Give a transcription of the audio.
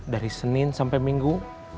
dari senin sampai minggu